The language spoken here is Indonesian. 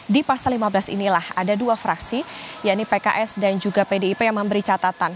di pasal lima belas inilah ada dua fraksi yaitu pks dan juga pdip yang memberi catatan